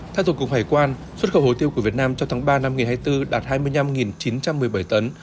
theo tổng cục hải quan xuất khẩu hồ tiêu của việt nam trong tháng ba năm hai nghìn hai mươi bốn đạt hai mươi năm chín trăm một mươi bảy tấn